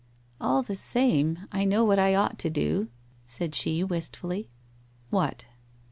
' All the same, I know what I ought to do,' said she, wistfully. 'What?'